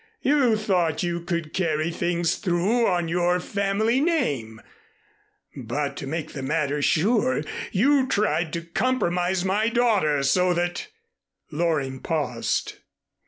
You thought you could carry things through on your family name, but to make the matter sure you tried to compromise my daughter so that " Loring paused.